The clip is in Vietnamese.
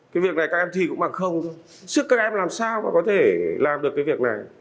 cái việc này các em thi cũng bằng không thôi sức các em làm sao mà có thể làm được cái việc này